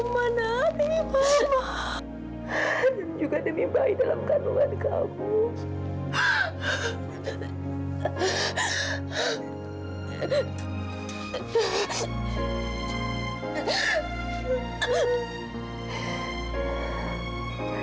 mama bisa merasakan apa yang ibu amar merasakan milla